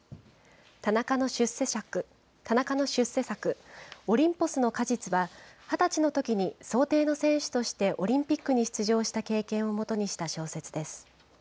田中の出世作、オリンポスの果実は、２０歳のときにそう艇の選手としてオリンピックに出場した経験をもとにした小説です。